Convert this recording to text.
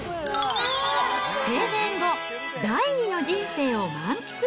定年後、第二の人生を満喫。